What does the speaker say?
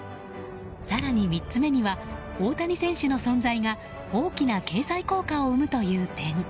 更に３つ目には大谷選手の存在が大きな経済効果を生むという点。